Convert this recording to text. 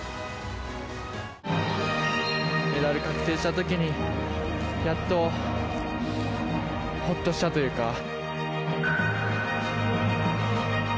メダル確定したときにやっと、ほっとしたというか。